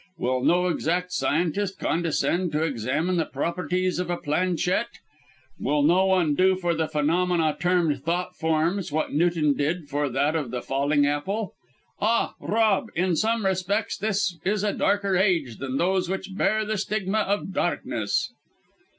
Will no exact scientist condescend to examine the properties of a planchette? Will no one do for the phenomena termed thought forms, what Newton did for that of the falling apple? Ah! Rob, in some respects, this is a darker age than those which bear the stigma of darkness."